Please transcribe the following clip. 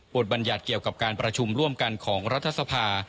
บัญญัติเกี่ยวกับการประชุมร่วมกันของรัฐสภา